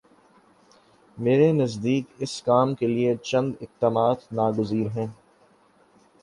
میرے نزدیک اس کام کے لیے چند اقدامات ناگزیر ہیں۔